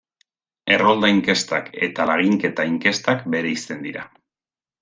Errolda inkestak eta laginketa inkestak bereizten dira.